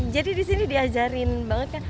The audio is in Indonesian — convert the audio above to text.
jadi disini diajarin banget kan